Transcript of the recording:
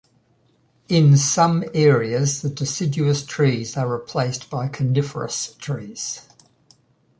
In some areas, the deciduous trees are replaced by coniferous trees.